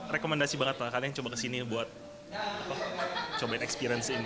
rekomendasi banget lah kalian coba kesini buat cobain experience ini